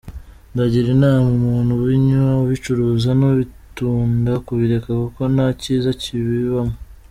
Ndagira inama umuntu ubinywa, ubicuruza, n’ubitunda kubireka kuko nta cyiza kibibamo.